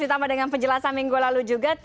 ditambah dengan penjelasan minggu lalu juga